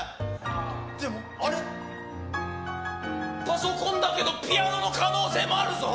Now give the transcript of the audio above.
でも、あれ、パソコンだけどピアノの可能性もあるぞ。